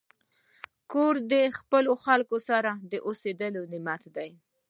کور د خپلو خلکو سره د اوسېدو نعمت دی.